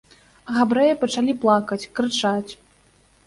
Габрэі пачалі плакаць, крычаць.